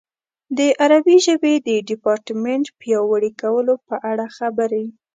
د عربي ژبې د ډیپارټمنټ پیاوړي کولو په اړه خبرې.